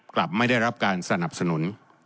กลับไม่ได้รับการสนับสนุน